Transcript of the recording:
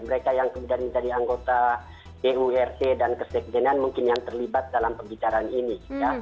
mereka yang kemudian menjadi anggota purc dan kesekjenan mungkin yang terlibat dalam pembicaraan ini